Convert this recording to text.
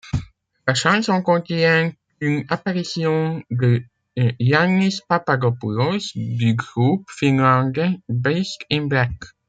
La chanson contient une apparition de Yannis Papadopoulos du groupe finlandais Beast In Black.